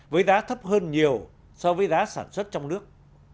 với giá thấp hơn nhiều so với giá sản xuất trong nước